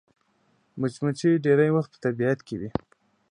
مچمچۍ ډېری وخت په طبیعت کې وي